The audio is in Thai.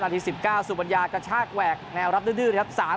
๑๙สุบัญญากระชากแหวกแนวรับดื้อนะครับ